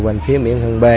bên phía miễn hương b